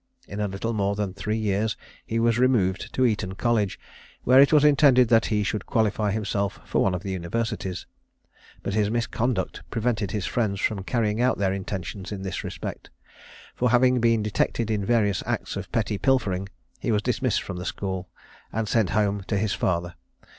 In a little more than three years he was removed to Eton College, where it was intended that he should qualify himself for one of the universities; but his misconduct prevented his friends from carrying out their intentions in this respect; for having been detected in various acts of petty pilfering, he was dismissed the school, and sent home to his father.